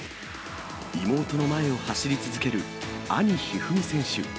妹の前を走り続ける兄、一二三選手。